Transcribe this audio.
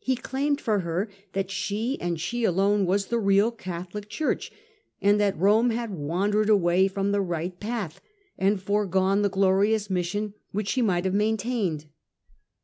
He claimed for her that she, and she alone, was the real Catholic Church, and that Rome had wandered away from the right path, and foregone the glorious mission which she might have maintained.